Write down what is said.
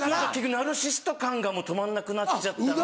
ナルシシスト感がもう止まんなくなっちゃったのが。